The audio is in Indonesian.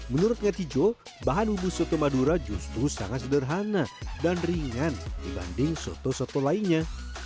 menurut ngatijo bahan hubu soto madura justru sangat sederhana dan ringan dibanding soto soto lainnya